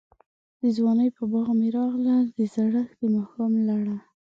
دځوانۍ په باغ می راغله، دزړښت دماښام لړه